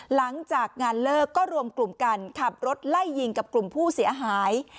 หลังจากงานเลิกก็รวมกลุ่มกันขับรถไล่ยิงกับกลุ่มผู้เสียหาย